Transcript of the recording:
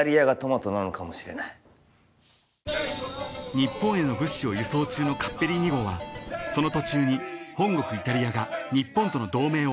［日本への物資を輸送中のカッペリーニ号はその途中に本国イタリアが日本との同盟を破棄］